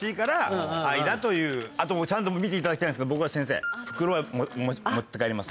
あとちゃんと見ていただきたいんですけど。